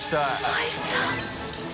おいしそう。